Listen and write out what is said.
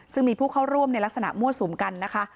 ซึ่งมีผู้เข้าร่วมในลักษณะมั่วสุมกันนะคะ